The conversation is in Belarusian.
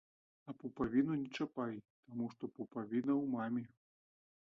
А пупавіну не чапай, таму што пупавіна ў маме.